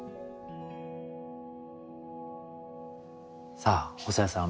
さあ細谷さん